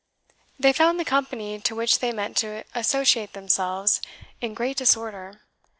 They found the company to which they meant to associate themselves in great disorder.